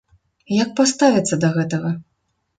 Як паставіцца да гэтага?